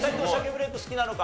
フレーク好きなのか？